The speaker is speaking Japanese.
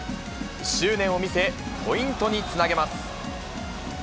執念を見せ、ポイントにつなげます。